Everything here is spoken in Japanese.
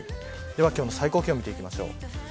今日の最高気温見ていきましょう。